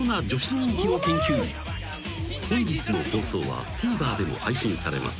［本日の放送はＴＶｅｒでも配信されます］